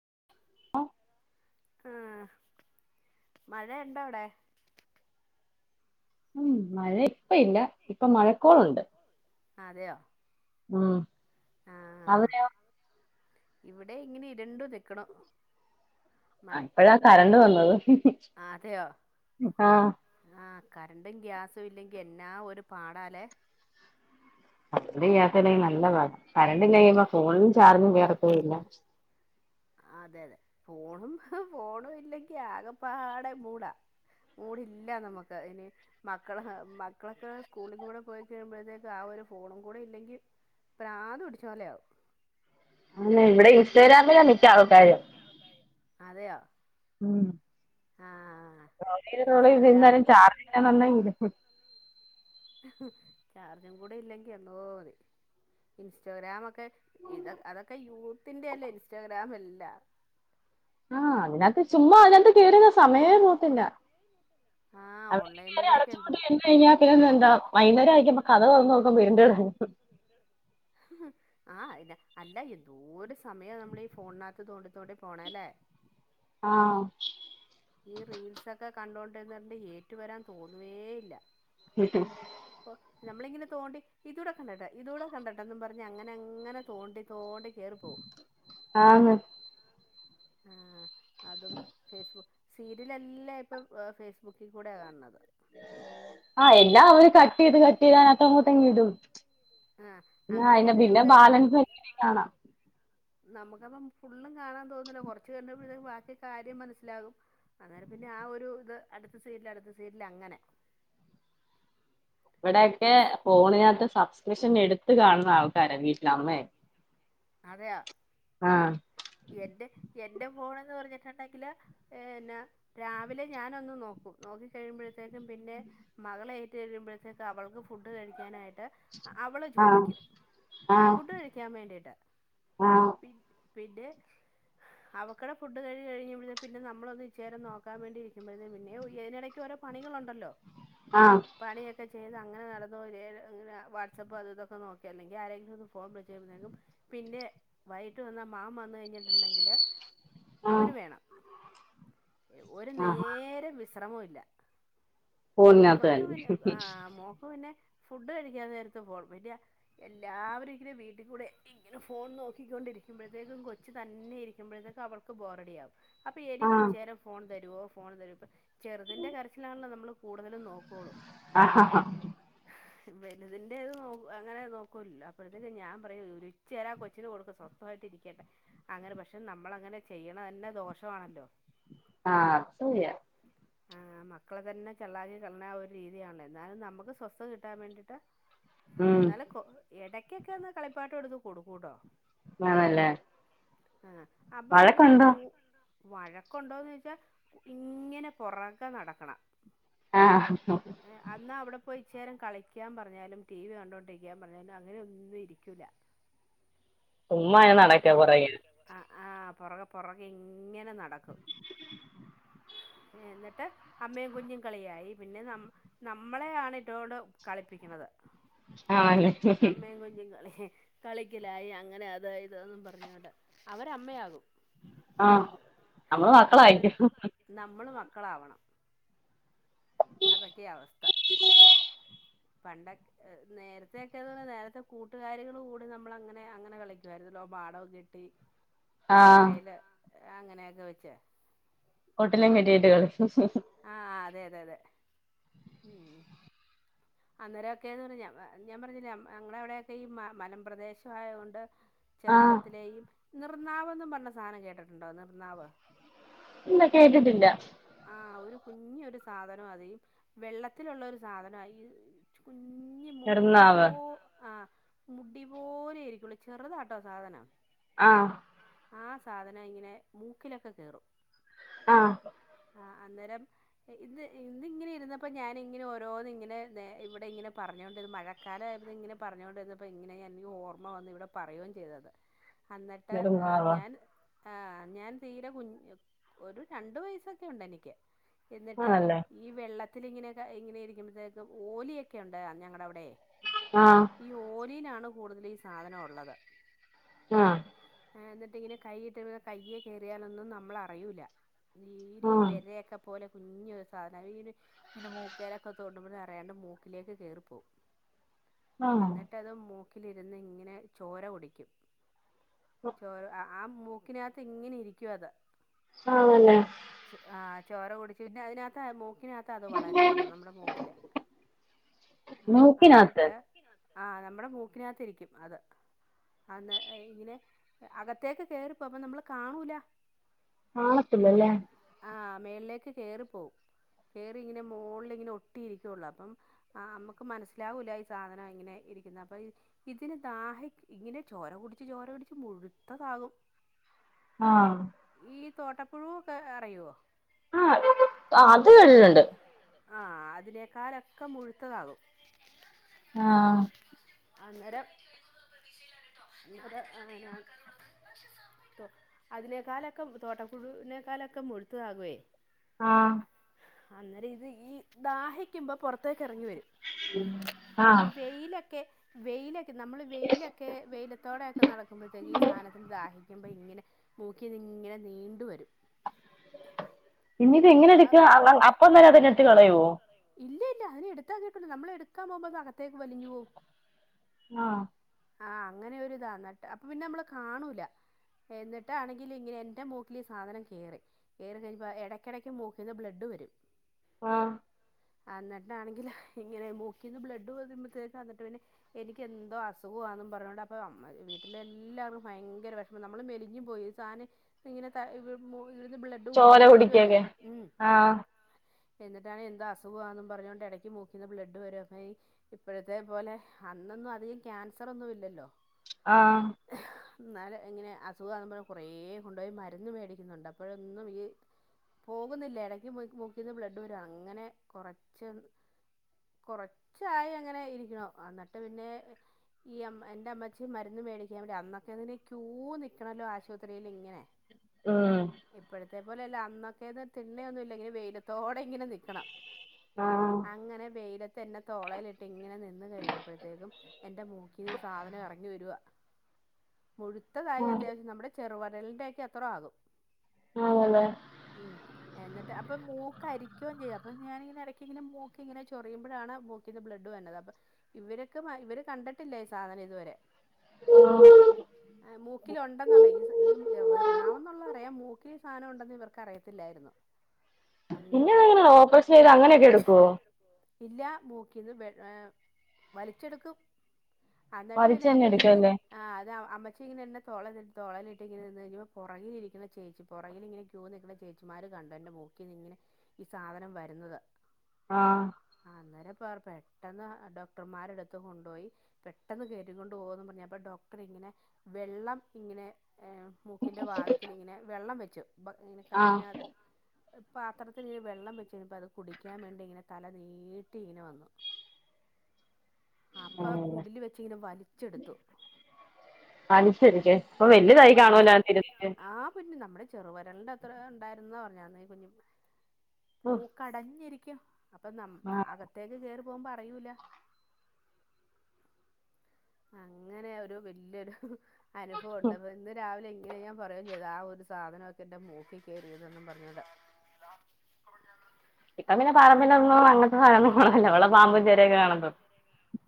[unintelligible] ആഹ് മഴ ഇണ്ടവിടെ? ഉം മഴ ഇപ്പ ഇല്ല. ഇപ്പം മഴക്കോളുണ്ട്. അതെയോ ഉം. ആഹ് അവിടെയൊ ഇവിടെ ഇങ്ങനെ ഇരുണ്ട് നി ക്ക്ണു. മഴ ഇപ്പഴാ കരണ്ട് വന്നത്. അതെയോ ആഹ് ആ കറന്റും ഗ്യാസ് ഒന്നും ഇല്ലെങ്കി എന്നാ ഒരു പാടാ ല്ലേ. ഇവിടെ ഗ്യാസ് ഇല്ലെങ്കിൽ നല്ല പാടാ കറന്റ്‌ ഇല്ലെങ്കിൽ ഉം ഇപ്പം ഫോണിലും ചാർജും കേറത്തുവില്ല. അതെ അതെ. ഫോണും ഫോണും ഇല്ലെങ്കി ആകെപ്പാടെ മൂടാ. മൂടില്ല നമ്മുക്ക് ഇനി. മക്കള് മക്കളൊക്കെ സ്കൂളിൽ കൂടെ പോയി കഴിയുമ്പോഴത്തേക്ക് ആ ഒരു ഫോണും കൂടെ ഇല്ലെങ്കി പ്രാന്ത് പിടിച്ച പോലെയാവും. ആണേ ഇവിടെ ഇൻസ്റ്റഗ്രാമിലാ മിക്ക ആൾക്കാരും. അതെയോ ഉം ആഹ് റോള് ചെയ്ത് റോള് ചെയ്ത് ഇൻസ്റ്റഗ്രാം എന്താലും ചാർജ് ഇല്ലാ [unintelligible] ചാർജും കൂടെ ഇല്ലെങ്കി എന്തോ മതി ഇൻസ്റ്റഗ്രാമൊക്കെ ഇത് അതൊക്കെ യൂത്തിന്റെ അല്ലേ ഇൻസ്റ്റാഗ്രാം എൽ ഇല്ല ആഹ് അതിനകത്ത് ചുമ്മാ അതിനകത്ത് കേറി സമയേ പോത്തില്ല ആഹ് അവടെ ഇതി ഓൺലൈൻ കേറി വഴിയൊക്കെ എന്തോ അടച്ചുപൂട്ടി ഇരുന്ന് കഴിഞ്ഞാ പിന്നെ എന്താ വൈകുന്നേരം ആയിരിക്കുമ്പം കതവ് തൊറന്ന് നോ വേണ്ടട [unintelligible] ആഹ് അതിന് അല്ല എന്തോ ഒരു സമയവാ നമ്മളീ ഫോണിനകത്ത് തോണ്ടി തോണ്ടി പോണേ അല്ലേ ആഹ് ഇതൊക്കെ കണ്ടോണ്ട് ഇരുന്നാ പിന്നെ ഏറ്റു വരാൻ തോന്നുവേ ഇല്ല. ഉം [inaudible] നമ്മള് ഇങ്ങനെ തോണ്ടി ഇതൂടെ കണ്ടട്ട് ഇതൂടെ കണ്ടട്ടെന്നും പറഞ്ഞ് അങ്ങനെ അങ്ങനെ തോണ്ടി തോണ്ടി കേറി പോവും ആന്ന് ആഹ് അതും ഫേസ്ബുക്ക് സീരിയലെല്ലാം ഇപ്പം ഫേസ്ബുക്കിൽ കൂടെയാ കാണുന്നത് ആഹ് എ എല്ലാം അവര് കട്ട് ചെയ്ത് കട്ട്‌ ചെയ്ത് അതിനകത്തങ്ങോട്ട് അങ്ങ് ഇടും ആഹ് [unintelligible] അങ്ങനെ അയിന്റെ ഇട്ട് പിന്നെ കഴിയുമ്പഴേ നമുക്ക് ബാലൻസ് കാണാം. നമുക്കപ്പം ഫുള്ളും കാണാൻ തോന്നില്ല കൊറച്ചു കണ്ടപ്പോഴേക്കും ബാക്കി കാര്യം മനസ്സിലാകും അന്നേരം പിന്നെ ആ ഒരു ഇത് അടുത്ത സീരിയല് അടുത്ത സീരിയല് അങ്ങനെ ഇവിടൊക്കെ ഫോണിനകത്ത് സബ്സ്ക്രിപ്ഷൻ എടുത്ത് കാണുന്ന ആൾക്കാരാ വീട്ടില് അമ്മയ് അതെയോ എന്റെ എൻ്റെ ഫോൺ എന്ന് പറഞ്ഞിട്ടുണ്ടെങ്കില് പിന്നെ രാവിലെ ഞാനൊന്ന് നോക്കും നോക്കി കഴിയുമ്പോഴത്തേക്ക് പിന്നെ മകള് ഏറ്റ് കഴിയുമ്പോഴത്തേക്ക് അവൾക്ക് ഫുഡ് കഴിക്കാനായി ട്ട് അവള് ആ ചോദിക്കും ഫുഡ് കഴിക്കാൻ വേണ്ടിട്ട് ആഹ് പിന്നെ അവക്കടെ ഫുഡ് കഴി കഴിയുമ്പളത്തെ പിന്നെ നമ്മളൊന്ന് ഇച്ചേരം നോക്കാൻ വേണ്ടി ഇരിക്കുമ്പോഴത്തേന് പിന്നെ ഇതിനിടയ്ക്ക് ഓരോ പണികളുണ്ടല്ലോ ആ പണയക്കെ ചെയ്ത് അങ്ങനെ നടന്നോങ്ങനെ വാട്സആപ്പ് അത് ഇതൊക്കെ നോക്കിയ അല്ലെങ്കിൽ ആരെങ്കിലും ഫോൺ വിളിച്ചക്കും പിന്നെ വൈകിട്ട് വന്ന മാം വന്ന് കഴിഞ്ഞിട്ടുണ്ടെങ്കില് ആ അവന് വേണം ഒരു ആ നേര വിശ്രമ ഇല്ല ഫോണിനകത്ത് ഇവക്ക് തന്നെ പിന്നെ ആഹ മോക്ക് പിന്നെ ഫുഡ് കഴിക്കാ നേരത്ത് പോണം പിന്നെ എല്ലാവരും ഇങ്ങനും വീട്ടിൽ കൂടെ ഇങ്ങനെ ഫോൺ നോക്കിക്കൊണ്ടിരിക്കുമ്പോഴത്തേക്കും കൊച്ചു തന്നെ ഇരിക്കുമ്പോഴത്തേക്കും അവൾക്ക് ബോറടി ആകും അപ്പൊ ആ എനിക്ക് ചേര ഫോൺ തരുമോ ഫോൺ തരുമ ഇപ്പം ചെറുതിൻ്റെ കറച്ചിലാണല്ലോ നമ്മൾ കൂടുതല നോക്കള്ളൂ. ആഹാ ഹാ വലുതിന്റെത് നോ അങ്ങനെ നോക്കൂലല്ലോ അപ്പോഴത്തേക്ക് ഞാൻ പറയും ഒരു ഇച്ചേരാ കൊച്ചിന് കൊടുക്ക് സ്വസ്ഥമായിട്ടിരിക്കട്ടെ അങ്ങനെ പക്ഷെ നമ്മളങ്ങനെ ചെയ്യണ തന്നെ ദോഷമാണല്ലോ ആഹ് അത് സെരിയാ ആഹ് മക്കളെ തന്നെ ചള്ളാക്കി കളേന ആ ഒരു രീതിയാണല്ലേ എന്നാലും നമുക്ക് സ്വസ്ഥത കിട്ടാൻ വേണ്ടിട്ട് ഉം എന്നാല് കൊ എടക്കൊക്കെന്ന് കളിപ്പാട്ടംമെടുതു കൊടുക്കൂട്ടോ ആണല്ലേ ആഹ് അപ്പൊ എന്റടുത്ത് വഴക്കുണ്ടോ കൂ വഴക്കൊണ്ടോന്നോച്ചാ കു ഇങ്ങനെ പൊറകെ നടക്കണം ആഹ് ഇപ്പോ ഇച്ചേരം കളിക്കാൻ പറഞ്ഞാലും ടി വി കണ്ടോണ്ടിരിക്കാൻ പറഞ്ഞാലും അങ്ങനെന്നും ഇരിക്കൂല്ല സുമ്മാ ഇങ്ങനെ നടക്കാ പൊറകെ ആ പൊറകെ പൊറകെ ഇങ്ങനെ നടക്കും എന്നട്ട് അമ്മേം കുഞ്ഞും കളിയായി പിന്നെ ന നമ്മളെയാണിട്ടോണ്ട് കളിപ്പിക്കണത് ആഹ് [unintelligible] അമ്മയും കുഞ്ഞും കളി കളിക്കലായി അങ്ങനെ അ അത് ഇതും പറഞ്ഞോണ്ട് അവരമ്മയാകും ആഹ് നമ്മള് മക്കള് ആയിരിക്കും. ക്കളാവണം അതൊക്കെയാ അവസ്ഥ പണ്ടൊക് നേരത്തെയൊക്കെ എന്ന് പറഞ്ഞാ നേരത്തെ കൂട്ടുകാരികള് കൂടി നമ്മള് അങ്ങനെ അങ്ങനെ കളിക്കുവായിരുന്നല്ലോ മാഡം കെട്ടി ആ ചെരട്ടയില് അങ്ങനെയൊക്കെ വെച്ച് ഹോട്ടലും കെട്ടിയിട്ട് ആഹ് അതെ അതെ അതെ ഉം അന്നേരൊക്കെന്ന് പറഞ്ഞാ [unintelligible] ഞാൻ പറഞ്ഞില്ലേ ഞങ്ങടെ അവിടെക്കെ ഈ മ മലം പ്രദേശം ആയോണ്ട് ആ ചെറുപ്പത്തിലെയും നിർന്നാവ് എന്നും പറഞ്ഞ സാനം കേട്ടിട്ടുണ്ടോ നിർന്നാവ് ഇല്ല കേട്ടിട്ടില്ല ഒരു കുഞ്ഞ് ഒരു സാധനാതെ വെള്ളത്തിലുള്ള ഒരു സാധനാ ഈ [unintelligible] കുഞ്ഞി മുടി പോ കിടന്നാവ് ആ മുടി പോലെ ഇരിക്കുള്ളൂ ചെറുതാട്ടോ സാധനം ആ ആ സാധനം ഇങ്ങനെ മൂക്കിലൊക്കെ കേറും ആ ആ അന്നേരം ഇന്ന് ഇന്നിങ്ങനെ ഇരുന്നപ്പോൾ ഞാനിങ്ങനെ ഓരോന്ന് ഇങ്ങനെ ഇവിടെ ഇങ്ങനെ പറഞ്ഞോണ്ടിരുന്ന മഴക്കാലമായത് ഇങ്ങനെ പറഞ്ഞോണ്ടിരുന്നപ്പോൾ ഇങ്ങനെ ഞാൻ ഈ ഓർമ്മ വന്ന് ഇവിടെ പറയോ ചെയ്ത് അത്- അന്നിട്ട് എ നെടുങ്ങാവോ ഞാൻ- ആഞാൻ തീരെ കുഞ്ഞു ഒരു- രണ്ടു വയസൊക്കെ ഉണ്ടെനിക്ക് എന്നിട്ട് ആണല്ലേ ഈ വെള്ളത്തി അത്തിങ്ങനൊക്കെ ഇങ്ങനെ ഇരിക്കുമ്പഴത്തേക്കും ഓലിയൊക്കെ ഉണ്ട് ഞങ്ങടെ അവിടെ ആഹ് ഈ ഓലിനാണ് കൂടുതൽ ഈ സാധനം ഉള്ളത് ആഹ് ആഹ് എന്നിട്ടിങ്ങനെ കൈയിട്ട് കയ്യെ കേറിയാലൊന്നും നമ്മളറിയൂല്ല നീരി ആഹ് വിരയൊക്കെ പോലെ കുഞ്ഞ് ഒരു സാധന ഇതിന് ഇങ്ങനെ മൂക്കേലൊക്കെ തോണ്ടുമ്പോൾ അറിയാണ്ട് മൂക്കിലേക്ക് കേറിപ്പോവും ആഹ് എന്നിട്ട് അത് മൂ ക്കിലിരുന്ന് ഇങ്ങനെ ചോര കുടിക്കും ചോര അ ആ മൂക്കിനകത്ത് ഇങ്ങനെ ഇരിക്കുവത് ആണല്ലേ ആഹ് ചോര കുടിച്ച് പിന്നെ അതിനാത്താ മൂ മൂക്കിനകത്ത് അത് വളരുന്നത് നമ്മുടെ മൂക്കില് ആഹ് മൂക്കിനകത്ത് അന്നട്ട് ആ നമ്മുടെ മൂക്കിനകത്ത് ഇരിക്കും അത് ആഹ് ന്ന് ഇങ്ങനെ അകത്തേക്ക് കേറിപ്പോം അപ്പ നമ്മള് കാണൂല ആണോ ആഹ് മേളിലേക്ക് കേറി പോവും കേറി ഇങ്ങനെ മോളിലിങ്ങനെ ഒട്ടി ഇരിക്കുവുള്ളു അപ്പം ആഹ് നമ്മുക്ക് മനസ്സിലാവൂല്ല ഈ സാധനം ഇങ്ങനെ ഇരിക്കുന്ന അപ്പൊ ഇ ഇതിന് ദാഹി ഇങ്ങനെ ചോര കുടിച്ച് ചോര കുടിച്ച് മുഴുത്തതാകും ആഹ് ഈ തോട്ട ക്ലൂ ഒക്കെ അറിയുവോ ആഹ് അത് [unintelligible] ആഹ് അതിനേക്കാലൊക്കെ മുഴ്ത്തതാകും ആഹ് അന്നേരം ഇവ്ടെ ഏ ഞാൻ അതിനേക്കാലൊക്കെ തോട്ടപുഴൂനേക്കാലൊക്കെ മുഴ്ത്തതാകുവേ ആഹ് അന്നേരം ഇത് ഈ ദാഹിക്ക്മ്പം പൊറത്തേ ക്കെറങ്ങി വരും ഈ ആഹ് വെയ്ലക്കെ വെയ്ലെ നമ്മള് വെയ്ലക്കെ വെയ്ലത്തോടെയെക്കെ നടക്ക്മ്പഴ്ത്തേക്ക് ഈ സാനത്തിന് ദാഹിക്ക്മ്പ ഇങ്ങനെ മൂക്കിന്നിങ്ങനെ നീണ്ട് വരും ഇന്നീത് ഇങ്ങനെ എട്ക്ക എന്നിട്ട് എങ്ങനെ അവ് അവ് അ എടുക്കാ അപ്പൊന്നേരം അപ്പൊ അതിനറ്റ് ഒന്നരാ കളയുവോ പറയോ ഇല്ല ഇല്ല അതിനെ എട്ത്താ [unintelligible] നമ്മളെട്ക്കാം പോവുമ്പതകത്തേക്ക് വലിഞ്ഞ് പോവും ആഹ് ആഹ് അങ്ങനെ ഒര്താ ന്നട്ട് അപ്പൊ പിന്നെ അമ്മള് കാണൂല എന്നിട്ടാണെങ്കില് ഇങ്ങ്നെ എന്റെ മൂക്കില് ഈ സാധനം കേറി കേറികയ്ഞ്ഞപ്പോ എടക്കെടെക്ക് മൂക്കിൽന്ന് ബ്ല ഡ് വരും ആഹ് അന്ന്ട്ടാണെങ്കില് ഇങ്ങനെ മൂക്കിന്ന് ബ്ലഡ് വര്മ്പത്തേക്കന്ന്ട്ട് പിന്നെ എനിക്കെന്തോ അസുഖവാന്നും പറഞ്ഞോണ്ട് അപ്പൊ വീട്ടിലെ എല്ലാവറും ഭയങ്കര വെഷ്മം നമ്മള് മെലിഞ്ഞും പോയി ഈ സാനെ ഇങ്ങനെ ക മൂ ൽ നിന്ന് ബ്ലഡ് ചോര കുട്ച്ചോണ്ടിരിക്കുവല്ലേ കുടിക്കൊക്കെ ഉം ആഹ് എന്നിട്ടാണെ എന്താ അസുഖവാന്നും പർഞ്ഞാേണ്ട് എടക്ക് മൂക്കിന്ന് ബ്ലഡ് വരാ അപ്പ ഈ ഇപ്പഴത്തെ പോലെ അന്നൊന്നും അധികം ക്യാൻസറൊന്നും ഇല്ലല്ലോ ആഹ് ഇന്നാല് എങ്ങന്യാ അസുഖമാവുമ്പഴും കൊറേ കൊണ്ടുപോയി മരുന്ന് മേടിക്കുന്നുണ്ട് അപ്പോഴൊന്നും ഈ പോകുന്നില്ല എട ക്ക്യ് പോയി മുക്കിന്ന് ബ്ലഡ് വരും അങ്ങനെ കൊറച്ച് കൊറച്ചായി അങ്ങനെ ഇരിക്ക്യ്ണു. എന്നിട്ട് പിന്നെ ഈ അമ്മ എന്റെ അമ്മച്ചി മരുന്ന് മേടിക്കാൻ വേണ്ടി അന്നൊക്കെ ന്ന്ണ്ടെങ്കി ക്യൂ നിക്കണല്ലോ ആശുപത്രിയിലിങ്ങനെ. ഉം ത്തെപോലെയല്ല അന്നൊക്കെന്ന് തിണ്ണയൊന്നു ല്ലങ്ങനെ വെയിലത്തോ ടെ ഇങ്ങനെ നിക്കണം. ആഹ് അങ്ങനെ വെയില ത്തെന്നെ തോളേലിട്ടി ങ്ങനെ നിന്ന് കഴിഞ്ഞപ്പഴ്ത്തേക്കും എന്റെ മൂക്കീന്ന് ഈ സാധനം എറങ്ങി വരുവാ. മുഴുത്തതായി ആഹ് അത്യാവശ്യം നമ്മുടെ ചെറുവടലിന്റെയെക്കെ അത്ര ആകും. [unintelligible] എന്ന ട്ട് അപ്പൊ മൂക്ക് അരിക്ക്യുവോം ചെയ്യാം അപ്പം ഞാനിങ്ങനെ എടയ്ക്ക് ഇങ്ങനെ മൂക്ക് ഇങ്ങനെ ചൊറിയുമ്പഴാണ് മൂക്കിന്ന് ബ്ലഡ് വര്നത്. അപ്പം ഇവരൊക്കെ ഇവര് കണ്ടിട്ടില്ല ഈ സാധനം ഇതുവരെ. മൂക്കില് ഉണ്ടെന്നുള്ള ഈ ഈ ഇറ് നാവ് എന്നുള്ളത് അറിയാം മൂക്കിൽ സാനം ഉണ്ടെന്ന് ഇവർക്ക് അറിയത്തില്ലായിരുന്നു. അതിഞ്ഞപ്പ പിന്നെതങ്ങനാ ഓപ്പറേഷൻ ചെയ്തത് അങ്ങനെയൊക്കെ എടുക്കുവോ? ഇല്ല മൂക്കിന്ന് വ ഏ വലിച്ചെടുക്കും എന്നിട്ട് പിന്നെ അപ്പൊ വലിച്ചന്നെ ഇ ഇത് എടുക്കല്ലേ അത് അമ്മച്ചി ഇങ്ങനെന്നെ തോള തുളയിലിട്ട് ഇങ്ങന നിന്ന് ഇൾ പുറകിലിരിക്കുന്ന ചേച്ചി പുറയില ഇങ്ങന ക്യു നിൽക്കുന്ന ചേച്ചിമാര് കണ്ട എൻ്റെ മൂ ഇങ്ങനെ ഈ സാധനം വരുന്നത് ആഹ് ആ അന്നേരം പെട്ടെന്ന് ഡോക്ടർമാരെടുത്ത് കൊണ്ടുപോയി പെട്ടെന്ന് കയറ്റി കൊണ്ട് പോന്ന് പറഞ്ഞപ്പ ഡോക്ടർ ഇങ്ങനെ വെള്ളം ഇങ്ങനെ മൂക്കിൻ്റെ വാതത്തിലൽങ്ങനെ വെള്ളം വെരും ങ്ങനെ ആഹ് കപ്പിനകത്ത് പാത്രത്തിന് ഇ വെള്ളം വെച്ചനിപ്പ അത് കുടിക്കാൻ വേണ്ടി ഇങ്ങനെ തല നീട്ടി ഇങ്ങനെ വന്നു അപ്പൊ കുടില് വെച്ചിങ്ങനെ വലിച്ചെടുത്തു അപ്പൊ വല്യയതായി കാണു അല്ലൊ [unintelligible] ചെറുവരലിന്റെ അത്ര ഉണ്ടായിരുന്നാ പറഞ്ഞ അമ്മയും കുഞ്ഞും മൂക്കടഞ്ഞിരിക്ക ക്കയാ അപ്പൊ ന ആഹ് അകത്തേക്ക് കേറ പോവാൻ പറയൂല അങ്ങനെ ഒരു വല്യൊരു അനുഭവം ഉണ്ട് അപ്പ ഇന്ന് രാവിലെ എ ഇങ്ങനെ ഞാൻ പറയേം ചെയ്ത് ആ ഒരു സാധനോക്കെ എന്റെ മൂക്കിൽ കയറിയതെന്നും പറഞ്ഞോണ്ട് ഇപ്പ പിന്നെ പറമ്പിലൊന്നും അങ്ങനത്തെ സാന്നങ്ങളൊന്നും [unintelligible] പാമ്പും ചേരയൊക്കെ കാണത്തൊ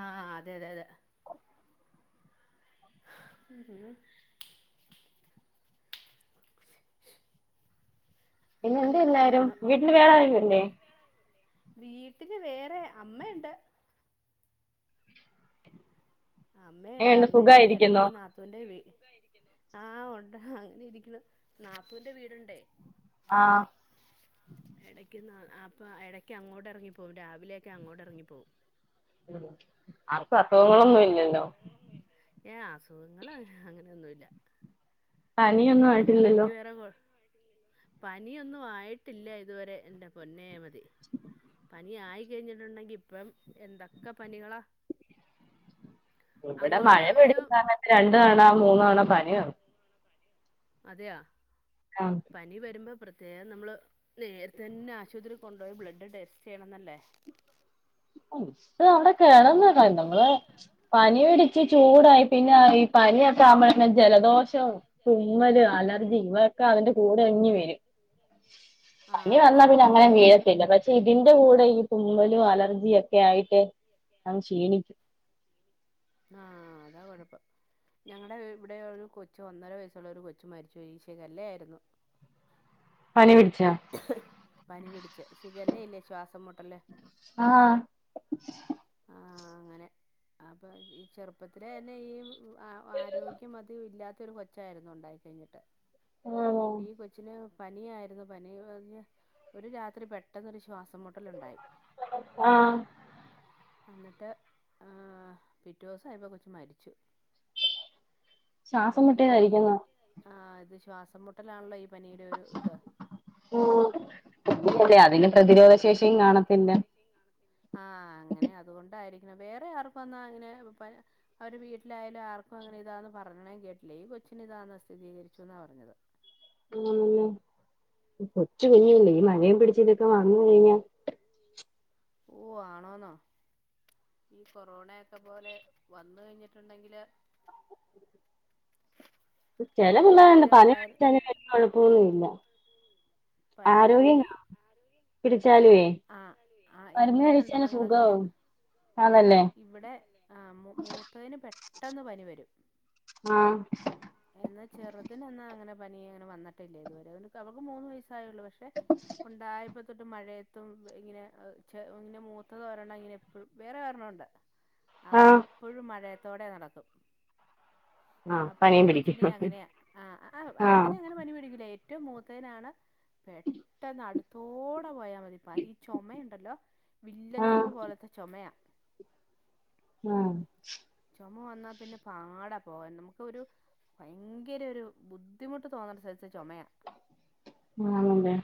ആഹ് അതെ അതെ അതെ [unintelligible] പിന്നെ എന്തിയെ അങ്ങനെയൊക്കെ എല്ലാരും ഇരിക്കണു വീട്ടില് വേറെ ആരും ഇല്ലേ വീട്ടില് വേറെ അമ്മയുണ്ട്. അമ്മയുണ്ട് എങ്ങനെയുണ്ട് അമ്മ ഇവിടെ എടക്ക് സുഖായിരിക്കുന്നോ നാത്തൂന്റെ വീ ആഹ് ഉണ്ട് അങ്ങനെ ഇരിക്കുന്നു നാത്തൂന്റെ വീടുണ്ടേ. ആഹ് ക്ക് അപ്പം എടയ്ക്ക് അങ്ങോടെറങ്ങിപ്പോവും രാവിലെയൊക്കെ അങ്ങോടെറങ്ങിപ്പോവും. ഉം ആർക്കും അസുഖങ്ങളൊന്നും ഇല്ലല്ലോ ഏഹ് അസുഖങ്ങള് അങ്ങനെയൊന്നുവില്ല. പനിയൊന്നും ആയിട്ടില്ലല്ലോ പനിയൊന്നും ആയിട്ടില്ല ഇതുവരെ എന്റെ പൊന്നേ മതി [inaudible] നീ ആയി കഴിഞ്ഞിട്ടുണ്ടെങ്കി ഇപ്പം എന്തൊക്കെ പണികളാ ഇവിടെ മഴ പൊടിക്കുന്ന സമയത്ത് രണ്ട് തവണ മൂന്ന് തവണ പറ [unintelligible] അതെയോ ആഹ് പനി വരുമ്പോ പ്രത്യേകം നമ്മള് നേരത്തെ തന്നെ ആശുപത്രിയിൽ കൊണ്ടുപോയി ബ്ലഡ് ടെസ്റ്റ് ചെയ്യണം എന്നല്ലേ ഇത് അവിടെ കെടന്ന നമ്മള് പനി പിടിച്ച് ചൂടായി പിന്നെ ഈ പനിയൊക്കെ ആമ്പോഴെ ജലദോഷം തുമ്മല് അലർജി ഇവയൊക്കെ അതിന്റെ കൂട് ഇങ്ങി വരും പനി ആഹ് വന്നാൽ പിന്നെ അങ്ങനെ ഛർദി വീഴത്തില്ല പക്ഷെ നമ്മളെ ഇതിന്റെ കൂടെ വീഴത്തില്ല ഈ പക്ഷെ ഇതിന്റെ തുമമ്മലും കൂടെ ഈ അലർജിയൊക്കെ- ഒക്കെ തുമ്മലും ആയിട്ട് അലർജിയൊക്കെ അങ്ങ് ക്ഷീണിക്കു - ആഹ അതാ കൊഴപ്പം ഞങ്ങളടെ ഇവിടെ ഒരു കൊച്ചു ഒന്നര വയസ്സുള്ള ഒരു കൊച്ചു മരിച്ചു ഈശ [unintelligible] ക്കല്ലേ ആയിരുന്നു [inaudible] പനി പിടിച്ച ശ- ഇതല്ലേ ഇല്ലേ ശ്വാസമുട്ടല് ആ ആ അങ്ങനെ അപ്പൊ ഈ ചെറ്പ്പത്തിലെ തന്നെ ഈ ആരോഗ്യം അത് ഇല്ലാത്തൊരു കൊച്ചായിരുന്നു ഉണ്ടായി കഴിഞ്ഞിട്ട് ആണോ ഈ കൊച്ചിനെ പനിയായിരുന്നു പനി [unintelligible] ഒരു രാത്രി പെട്ടെന്നരു ശ്വാസം മുട്ടലുണ്ടായി ആഹ് എന്നിട്ട്ആഹ് പിറ്റോസായപ്പോ കൊച്ച് മരിച്ചു അപ്പൊ ശ്വാസം ഈ പനി മുട്ടേതായിരിക്കുന്ന ആഹ് ഇത് ശ്വാസംമുട്ടലാണല്ലോ ഈ പനിയുടെ ഒരു ഇത് അല്ലെ അതിന് ആഹ് പ്രതിരോധശേഷിം കാണത്തില്ല ആഹ അങ്ങനെ അതുകൊണ്ടായിരിക്കണം വേറെ ആർക്കുംഅന്നാ അങ്ങനെ [unintelligible] അവര് വീട്ടിലായാലും ആർക്കും അങ്ങനെ ഇതാന്ന് പറഞ്ഞണം കേട്ടില്ലേ ഈ കൊച്ചിന ഇതാന്ന സ്ഥിതീകരിച്ചുന്നാ പറഞ്ഞത് ഊ [unintelligible] ച്ചു കുഞ്ഞില്ലേ ഈ ആഹ് മഴയും പിടിച്ച് ഇതൊക്കെ വന്നു കയിഞ്ഞാൽ ഓ ആണോന്നോ ഈ കൊറോണയൊക്കെ പോലെ വന്ന് കഴിഞ്ഞിട്ടുണ്ടെങ്കില് ചെല പിള്ളേര്ണ്ട് കൊറോണയൊക്കെ പനി ഉണ്ടായി [unintelligible] ഇല്ല ആരോഗ്യം [unintelligible] ആ ആ മരുന്ന് എന്റെ കഴിച്ചാല് രണ്ടെണ്ണങ്ങള് അങ്ങനെയാ സുഖാവും ആന്നല്ലേ ഇവിടെ ആ മൂ മൂത്തതിന് പെ ട്ടെന്ന് പനി വരും ആ എന്നാ ചെറ്തിന് ന്നാ അങ്ങനെ പനി വന്നിട്ടില്ലിതുവരെ അവള്ക്ക് മൂന്ന് വയ സായൊള്ളു പക്ഷെ ഉണ്ടായപ്പോ തൊട്ട് മഴയത്തും ഇങ്ങനെ ചെ ഇങ്ങനെ മൂത്തത് ഒരെണങ്ങനെ എപ്പഴ് വേറെ ഒരെണ്ണം ഉണ്ട് അവന് ആഹ് എപ്പഴും മഴയ ത്തോടെ നടക്കും ആ പ്പം ഈ കൊച്ചിനെ അങ്ങനെയ ആഹ് ആ ഏറ്റവും മൂത്തേനാണ് പെട്ടെന്ന് അട് ത്ത് പോയമതി പ ഈ ചോമയുണ്ടല്ലോ വില്ലൻ ആഹ് ചോമ പോലത്തെ ചോമയാ ആ ചുമവന്നാ പിന്നെ പാടാ പോകൻ നമുക്കെരു ഭയങ്കര ഒര് ബുദ്ധിമുട്ട് തോന്ന്ണ സെയ്സ് ചോമയാ ആണ്‌ല്ലേ